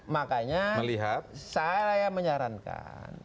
makanya saya menyarankan